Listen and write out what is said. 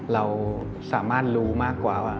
เราสามารถรู้มากกว่าว่า